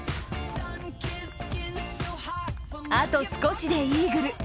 あと少しでイーグル。